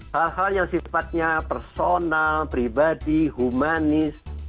hal hal yang sifatnya personal pribadi humanis